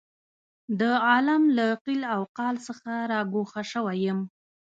د عالم له قیل او قال څخه را ګوښه شوی یم.